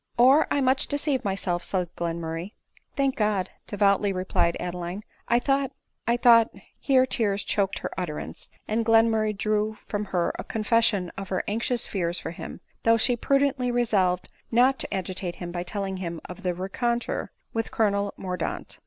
" Or I much deceive myself," said Glenmurray. " Thank God !" devoutly replied Adeline. " I thought — I thought —" Here tears choked her utterance, and Glenmurray drew from her a confession of her anxious fears for him, though she prudently resolved not to agitate him by telling him of the rencontre with Colonel Mor daunt.